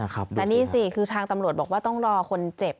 แต่นี่สิคือทางตำรวจบอกว่าต้องรอคนเจ็บ